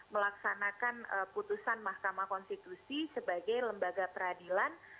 melaksanakan putusan mahkamah konstitusi sebagai lembaga peradilan